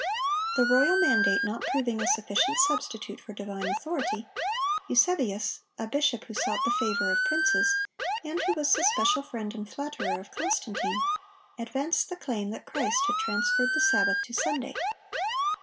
The royal mandate not proving a sufficient substitute for divine authority, Eusebius, a bishop who sought the favor of princes, and who was the special friend and flatterer of Constantine, advanced the claim that Christ had transferred the Sabbath to Sunday.